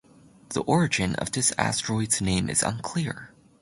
The origin of this asteroid's name is unclear.